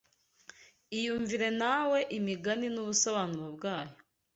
Iyumvire nawe Imigani n’ubusobanuro bwayo